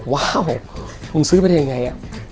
ว้าวมึงซื้อไปได้ยังไง